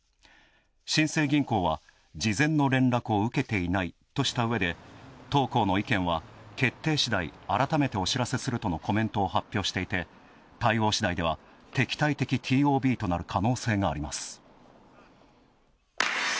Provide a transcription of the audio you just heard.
新生銀行は事前の連絡を受けていないとし、当行の意見は決定しだい、改めてお知らせするとのコメントを発表していて、対応しだいでは敵対的ＴＯＢとなる可能性があります。